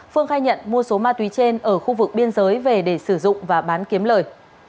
phương khai nhận mua số ma túy trên ở khu vực biên giới về để sử dụng và bán kiếm lời